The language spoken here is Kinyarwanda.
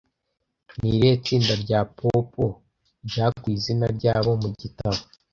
Ni irihe tsinda rya pop ryakuye izina ryabo mu gitabo